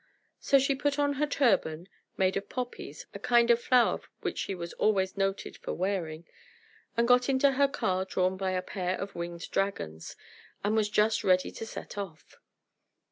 So she put on her turban, made of poppies (a kind of flower which she was always noted for wearing) and got into her car drawn by a pair of winged dragons, and was just ready to set off.